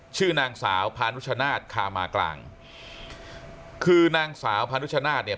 ชื่อนางสาวพานุชนาธิ์คามากลางคือนางสาวพานุชนาธิ์เนี่ย